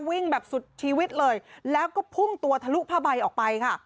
วิ่งแบบสุดชีวิตเลยแล้วก็พุ่งตัวทะลุผ้าใบออกไปค่ะ